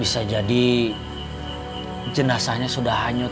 bisa jadi jenazahnya sudah hanyut